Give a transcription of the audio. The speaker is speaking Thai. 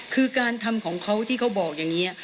คือการทำของเขาที่เขาบอกอย่างนี้